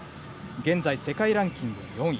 現在、世界ランキング４位。